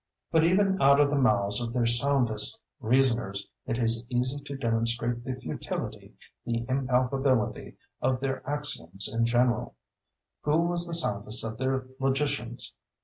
But even out of the mouths of their soundest reasoners it is easy to demonstrate the futility, the impalpability of their axioms in general. Who was the soundest of their logicians?